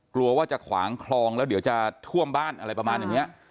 กลัวว่าจะขวางคลองแล้วเดี๋ยวจะท่วมบ้านอะไรประมาณอย่างนี้